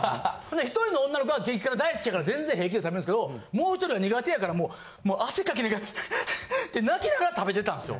１人の女の子は激辛大好きやから全然平気で食べるんですけどもう１人は苦手やからもう汗かきながらハァハァって泣きながら食べてたんですよ。